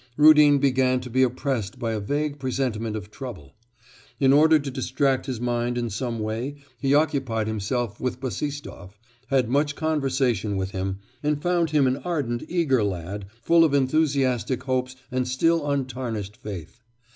Rudin began to be oppressed by a vague presentiment of trouble. In order to distract his mind in some way he occupied himself with Bassistoff, had much conversation with him, and found him an ardent, eager lad, full of enthusiastic hopes and still untarnished faith.